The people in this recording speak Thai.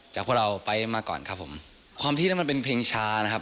จากพวกเราไปมาก่อนครับผมความที่นั่นมันเป็นเพลงชานะครับ